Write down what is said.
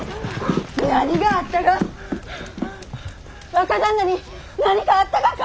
若旦那に何かあったがか！？